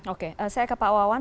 oke saya ke pak wawan